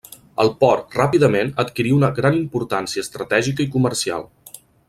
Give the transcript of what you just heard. El port ràpidament adquirí gran importància estratègica i comercial.